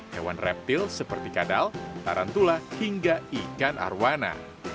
hewan reptil seperti kadal tarantula hingga ikan arowana